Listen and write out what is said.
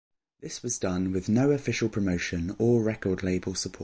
This was done with no official promotion or record label support.